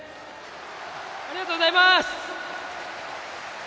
ありがとうございます！